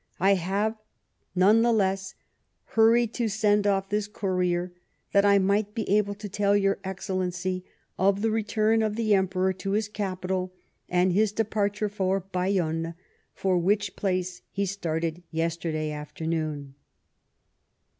I have the less hurried to send off this courier that I might be able to tell your Excellency of the return of the Emperor to his capital and his departure for Bayonne, for which place he started yesterday afternoon."